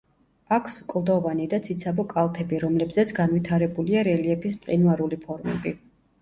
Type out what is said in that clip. აქვს კლდოვანი და ციცაბო კალთები, რომლებზეც განვითარებულია რელიეფის მყინვარული ფორმები.